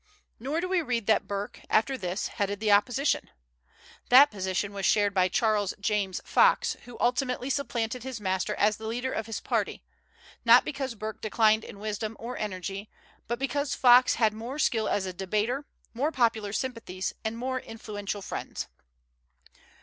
Nor do we read that Burke, after this, headed the opposition. That position was shared by Charles James Fox, who ultimately supplanted his master as the leader of his party; not because Burke declined in wisdom or energy, but because Fox had more skill as a debater, more popular sympathies, and more influential friends.